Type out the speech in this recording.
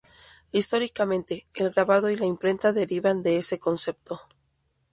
Históricamente, el grabado y la imprenta derivan de ese concepto.